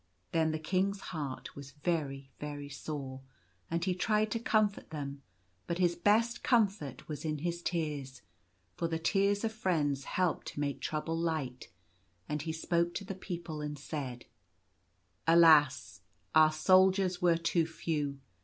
Then the King's heart was very, very sore, and he tried to comfort them, but his best comfort was in his tears — for the tears of friends help to make trouble light ; and he spoke to the people and said —" Alas ! our soldiers were too few.